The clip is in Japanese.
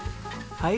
はい！